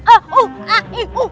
eh uh ah i uh